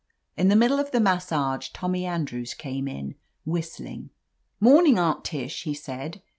In the middle of the massage Tommy Andrews came in, whistling. "Morning, Aunt Tish," lie said.